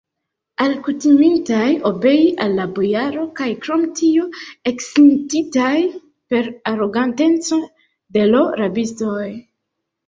Alkutimintaj obei al la bojaro kaj krom tio ekscititaj per aroganteco de l' rabistoj